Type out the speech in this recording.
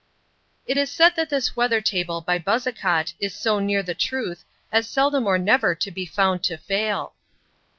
It is said that this weather table by Buzzacott is so near the truth as seldom or never to be found to fail.